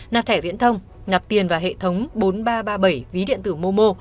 nạp thẻ viễn thông nạp tiền vào hệ thống bốn nghìn ba trăm ba mươi bảy ví điện tử momo